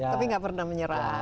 tapi gak pernah menyerah